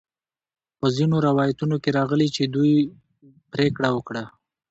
په ځینو روایتونو کې راغلي چې دوی پریکړه وکړه.